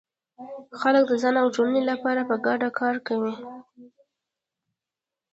خلک د ځان او ټولنې لپاره په ګډه کار کوي.